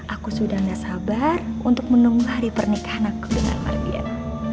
aku sudah gak sabar untuk menunggu hari pernikahan aku dengan margiat